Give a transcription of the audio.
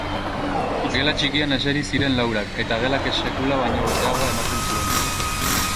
Gela txikian eseri ziren laurak, eta gelak sekula baino beteagoa ematen zuen.